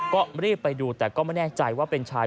ก็รีบไปดูแต่ก็ไม่แน่ใจว่าเป็นชาย